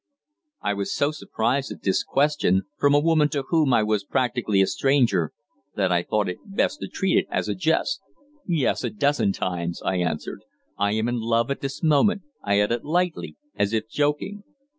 I was so surprised at this question, from a woman to whom I was practically a stranger, that I thought it best to treat it as a jest. "Yes, a dozen times," I answered. "I am in love at this moment," I added lightly, as if joking.